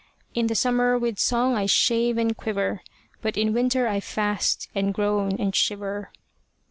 In the summer with song I shave and quiver, But in winter I fast and groan and shiver.